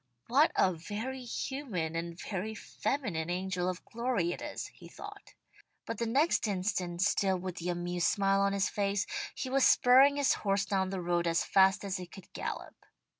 "What a very human and very feminine angel of glory it is," he thought. But the next instant, still with the amused smile on his face, he was spurring his horse down the road as fast as it could gallop.